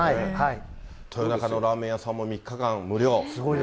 豊中のラーメン屋さんも３日間無料。